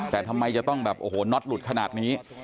แต่ทำไมจะต้องแบบโอ้โหน็อตหลุดขนาดนี้